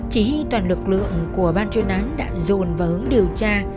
chỉ huy toàn lực lượng của ban chuyên án đã dồn vào hướng điều tra